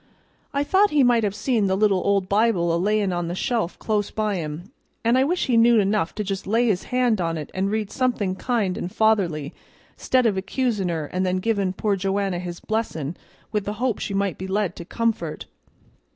I thought he might have seen the little old Bible a layin' on the shelf close by him, an' I wished he knew enough to just lay his hand on it an' read somethin' kind an' fatherly 'stead of accusin' her, an' then given poor Joanna his blessin' with the hope she might be led to comfort.